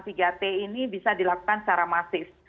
tiga t ini bisa dilakukan secara masif